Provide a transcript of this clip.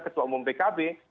ketua umum pkb